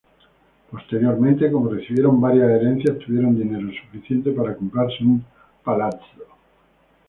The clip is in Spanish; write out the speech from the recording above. Posteriormente, como recibieron varias herencias, tuvieron dinero suficiente para comprarse un "palazzo".